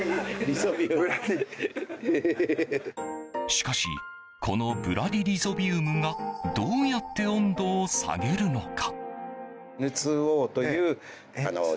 しかしこのブラディリゾビウムがどうやって温度を下げるのか。